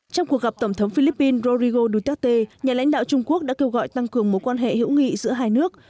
trong cuộc gặp tổng thống philippines rodrigo duterte nhà lãnh đạo trung quốc đã kêu gọi tăng cường mối quan hệ hữu nghị giữa hai nước